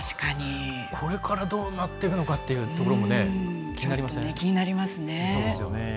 これから、どうなっていくのかというところも気になりますね。